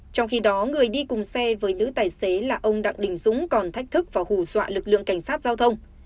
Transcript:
trong khi đó người đi cùng xe với nữ tài xế là ông đặng đình dũng còn thách thức và hù dọa lực lượng cảnh sát giao thông